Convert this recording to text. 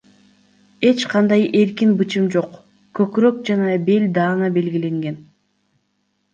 Эч кандай эркин бычым жок, көкүрөк жана бел даана белгиленген.